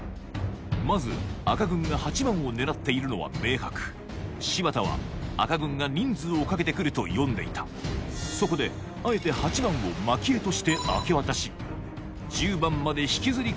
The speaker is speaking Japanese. まず赤軍が８番を狙っているのは明白柴田は赤軍が人数をかけて来ると読んでいたそこであえて８番をまき餌として明け渡し